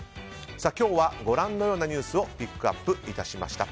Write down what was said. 今日はご覧のようなニュースをピックアップいたしました。